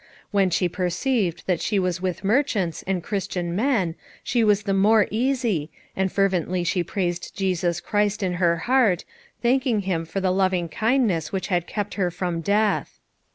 When she perceived that she was with merchants and Christian men she was the more easy, and fervently she praised Jesus Christ in her heart, thanking Him for the loving kindness which had kept her from death.